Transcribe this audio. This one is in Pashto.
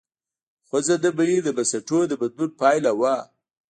خوځنده بهیر د بنسټونو د بدلون پایله وه.